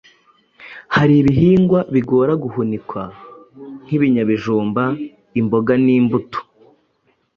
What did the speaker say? Hari ibihingwa bigora guhunikwa nk’ibinyabijumba, imboga n’imbuto.